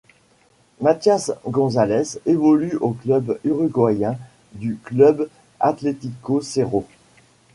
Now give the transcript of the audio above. Matías González évolue au club uruguayen du Club Atlético Cerro.